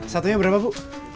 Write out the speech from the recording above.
satunya berapa bu